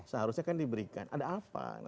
seharusnya kan diberikan ada apa